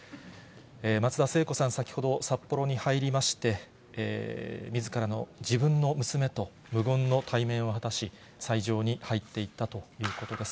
松田聖子さん、先ほど札幌に入りまして、みずからの、自分の娘と無言の対面を果たし、斎場に入っていったということです。